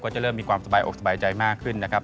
จะเริ่มมีความสบายอกสบายใจมากขึ้นนะครับ